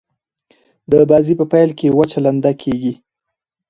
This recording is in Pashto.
د بازي په پیل کښي وچه لنده کیږي.